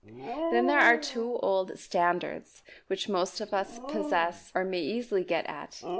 Then there are two old "standards" which most of us possess or may easily get at.